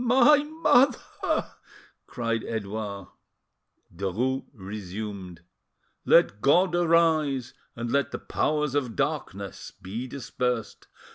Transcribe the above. ... My mother!" cried Edouard. Derues resumed— "Let God arise, and let the Powers of Darkness be dispersed!